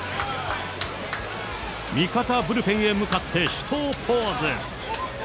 味方ブルペンへ向かって、手刀ポーズ。